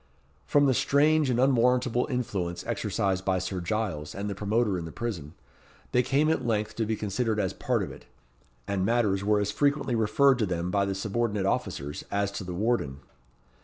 From the strange and unwarrantable influence exercised by Sir Giles and the promoter in the prison, they came at length to be considered as part of it; and matters were as frequently referred to them by the subordinate officers as to the warden.